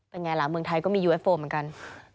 เป็นไงล่ะเมืองไทยก็มียูเอฟโฟมเหมือนกัน